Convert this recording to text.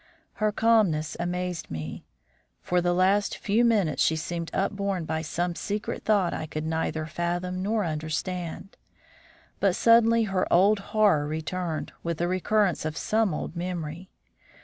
Her calmness amazed me. For the last few minutes she seemed upborne by some secret thought I could neither fathom nor understand. But suddenly her old horror returned with the recurrence of some old memory.